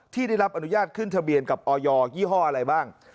ได้รับอนุญาตขึ้นทะเบียนกับออยี่ห้ออะไรบ้าง